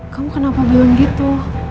kamu kenapa bilang gitu